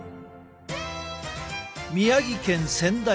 宮城県仙台市。